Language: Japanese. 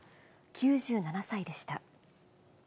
９７歳でした。